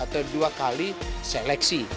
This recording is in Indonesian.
atau dua kali seleksi